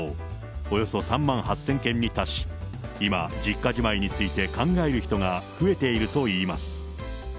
およそ３万８０００件に達し、今、実家じまいについて考える人が増えているといいます。